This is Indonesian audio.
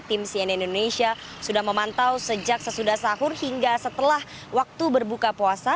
tim cnn indonesia sudah memantau sejak sesudah sahur hingga setelah waktu berbuka puasa